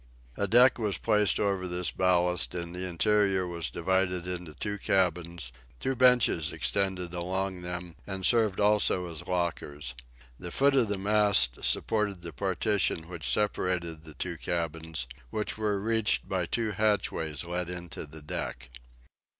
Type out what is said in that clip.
A deck was placed over this ballast, and the interior was divided into two cabins; two benches extended along them and served also as lockers. The foot of the mast supported the partition which separated the two cabins, which were reached by two hatchways let into the deck.